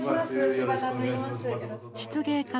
柴田といいます。